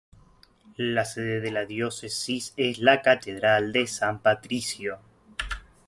La sede de la Diócesis es la Catedral de San Patricio.